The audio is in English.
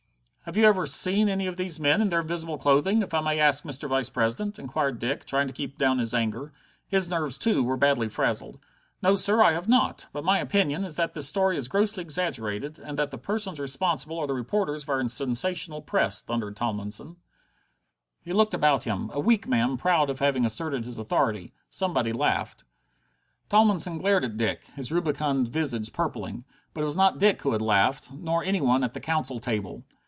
"Have you ever seen any of these men in their invisible clothing, if I may ask, Mr. Vice president?" inquired Dick, trying to keep down his anger. His nerves, too, were badly frazzled. "No, sir, I have not, but my opinion is that this story is grossly exaggerated, and that the persons responsible are the reporters of our sensational press!" thundered Tomlinson. He looked about him, a weak man proud of having asserted his authority. Somebody laughed. Tomlinson glared at Dick, his rubicund visage purpling. But it was not Dick who had laughed. Nor any one at the council table.